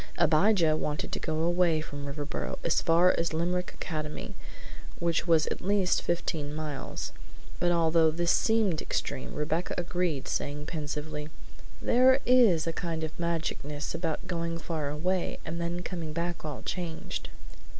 Abijah wanted to go far away from Riverboro, as far as Limerick Academy, which was at least fifteen miles; but although this seemed extreme, Rebecca agreed, saying pensively: "There IS a kind of magicness about going far away and then coming back all changed."